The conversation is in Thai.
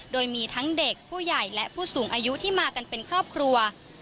โดยมีทั้งเด็กผู้ใหญ่และผู้สูงอายุที่มากันเป็นครอบครัว